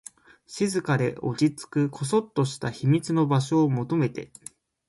静かで、落ち着く、こそっとした秘密の場所を求めて